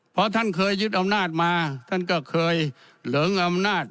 เพราะท่านเคยยึดอำนาจมาท่านก็เคยเหลิงอำนาจ